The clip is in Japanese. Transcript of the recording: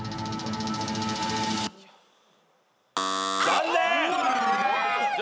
残念！